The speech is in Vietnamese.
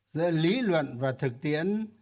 giữa lý luận và thực tiễn